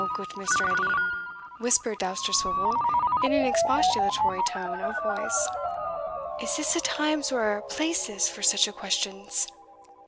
"Now, goot Mr. Edie," whispered Dousterswivel, in an expostulatory tone of voice, "is this a times or a places for such a questions?"